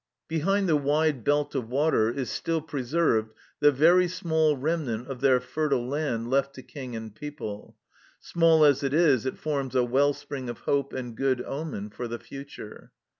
Behind the wide belt of water is still preserved the " very small remnant " of their fertile land left to King and people ; small as it is, it forms a well spring of hope and good omen for the future.